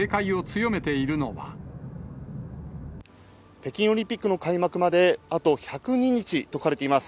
北京オリンピックの開幕まで、あと１０２日と書かれています。